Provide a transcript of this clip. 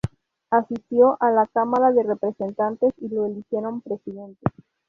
Asistió a la Cámara de Representantes y lo eligieron Presidente.